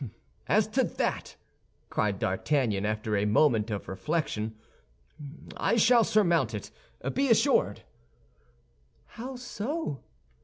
"As to that," cried D'Artagnan, after a moment of reflection, "I shall surmount it, be assured." "How so?"